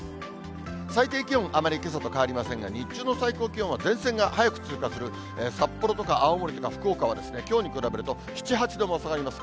最低気温、あまりけさと変わりませんが、日中の最高気温は前線が早く通過する札幌とか青森とか福岡は、きょうに比べると７、８度も下がります。